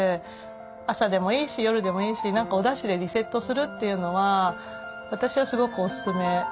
朝でもいいし夜でもいいし何かおだしでリセットするというのは私はすごくおすすめですね。